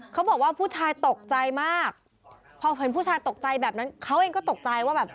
เขาบอกว่าผู้ชายตกใจมากพอเห็นผู้ชายตกใจแบบนั้นเขาเองก็ตกใจว่าแบบ